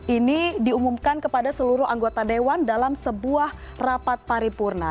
ini diumumkan kepada seluruh anggota dewan dalam sebuah rapat paripurna